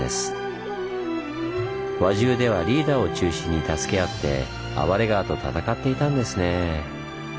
輪中ではリーダーを中心に助け合って暴れ川と闘っていたんですねぇ。